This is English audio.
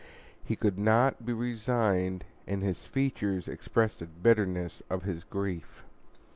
He could not be resigned, and his features expressed the bitterness of his grief.